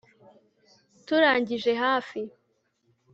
turangije hafi